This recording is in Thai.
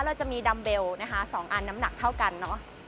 เราจะมีนะคะสองอันน้ำหนักเท่ากันเนอะ